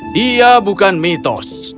dia bukan mitos